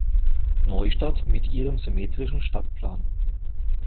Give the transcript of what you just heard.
Neustadt mit ihrem symmetrischen Stadtplan.